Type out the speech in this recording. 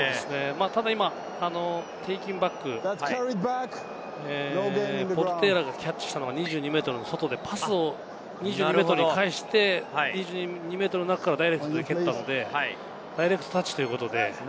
ただテイキンバック、ポルテーラがキャッチしたのが２２ｍの外でパスを２２ｍにかえして中からダイレクトに蹴ったのでダイレクトタッチということで。